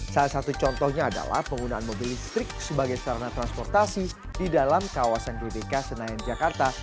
salah satu contohnya adalah penggunaan mobil listrik sebagai sarana transportasi di dalam kawasan gbk senayan jakarta